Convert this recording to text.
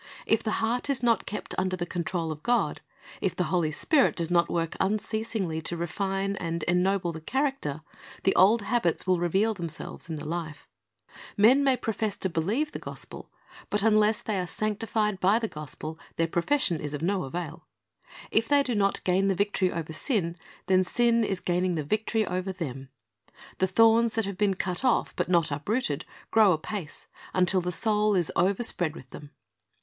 If the heart is not kept under the control of God, if the Holy Spirit does not work unceasingly to refine and ennoble the character, the old habits will reveal themselves in the life. Men may " TJi e S oiv e r W c n i Forth to So 2a" 51 profess to believe the gospel; but unless they are sanctified by the gospel their profession is of no avail. If they do not gain the victory over sin, then sin is gaining the victory over them. The thorns that have been cut off but not uprooted grow apace, until the soul is overspread with them.